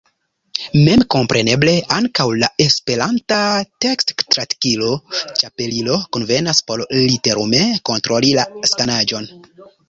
Memkompreneble ankaŭ la esperanta tekstotraktilo Ĉapelilo konvenas por literume kontroli la skanaĵon.